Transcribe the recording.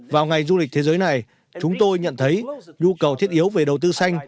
vào ngày du lịch thế giới này chúng tôi nhận thấy nhu cầu thiết yếu về đầu tư xanh